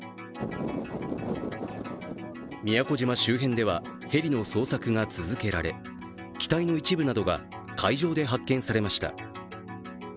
宮古島周辺ではヘリの捜索が続けられ機体の一部などが、海上で発見されました。